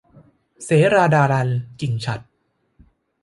เสราดารัล - กิ่งฉัตร